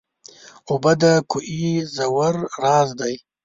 اوبه د کوهي ژور راز دي.